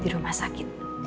di rumah sakit